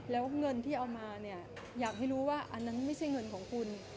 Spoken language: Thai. แล้วเงินที่เอามาเนี่ยอยากให้รู้ว่าอันนั้นไม่ใช่เงินของคุณ